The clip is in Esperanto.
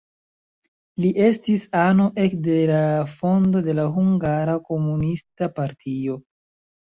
Li estis ano ekde la fondo de la Hungara Komunista partio.